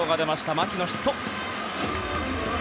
牧のヒット。